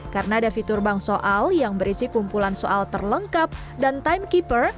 karena ada fitur bank soal yang berisi kumpulan soal terlengkap dan timekeeper